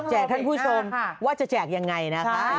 ท่านผู้ชมว่าจะแจกยังไงนะคะ